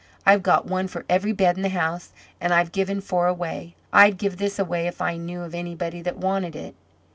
I've got one for every bed in the house, and I've given four away. I'd give this away if I knew of anybody that wanted it."